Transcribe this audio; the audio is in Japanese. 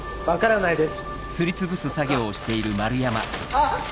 あっ！